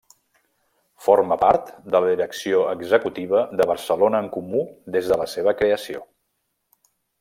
Forma part de la direcció executiva de Barcelona en Comú des de la seva creació.